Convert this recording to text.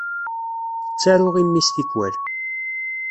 Tettaru i mmi-s tikwal.